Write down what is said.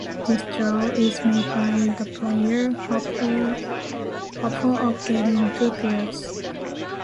This draw is made by the player, hopeful of getting two pairs.